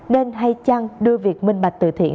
nên hay chăng đưa việc minh bạch tiền tự thiện